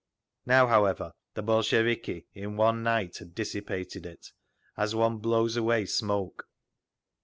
Now, however, the Bolsheviki, in one night, had dissipated it, as one blows away smoke.